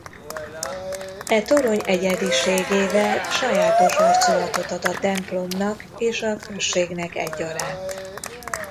E torony egyediségével sajátos arculatot ad a templomnak és a községnek egyaránt.